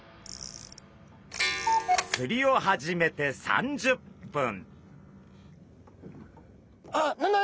釣りを始めて３０分。